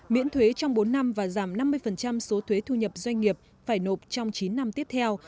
miễn thuế trong bốn năm và giảm năm mươi số thuế thu nhập doanh nghiệp phải nộp trong chín năm tiếp theo